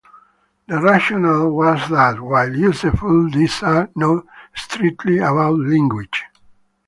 The rationale was that, while useful, these are not strictly about language.